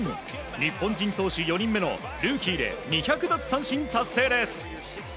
日本人投手４人目のルーキーで２００奪三振達成です。